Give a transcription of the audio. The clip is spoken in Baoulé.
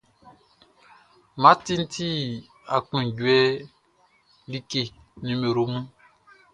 Math ti aklunjuɛ like nin nimero mun.